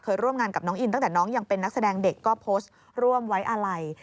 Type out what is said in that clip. ร่วมงานกับน้องอินตั้งแต่น้องยังเป็นนักแสดงเด็กก็โพสต์ร่วมไว้อาลัย